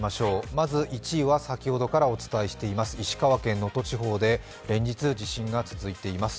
まず１位は先ほどからお伝えしています石川県能登地方で連続地震が続いています。